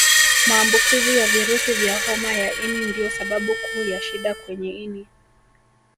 Maambukizi ya virusi vya homa ya ini ndio sababu kuu ya shida kwenye ini